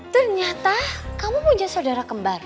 ternyata kamu punya saudara kembar